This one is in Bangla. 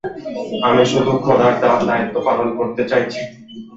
আমি শুধু খোদার দেয়া দায়িত্ব পালন করতে চাইছি।